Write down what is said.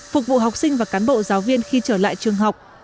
phục vụ học sinh và cán bộ giáo viên khi trở lại trường học